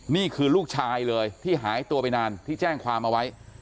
นี่คือลูกชายเลยที่หายตัวไปนานที่แจ้งความเอาไว้